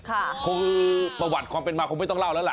คงประวัติความเป็นมาคงไม่ต้องเล่าแล้วล่ะ